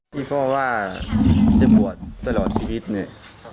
ที่พ่อว่าจะบวชตลอดชีวิตเนี่ย